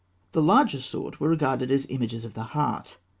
The larger sort were regarded as images of the heart.